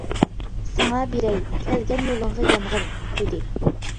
ساڭا بېرەي، كەلگەن يولۇڭغا يانغىن، -دېدى.